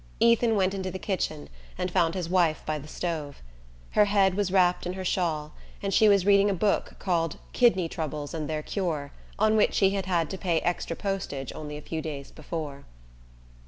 Ethan went into the kitchen and found his wife by the stove. Her head was wrapped in her shawl, and she was reading a book called "Kidney Troubles and Their Cure" on which he had had to pay extra postage only a few days before.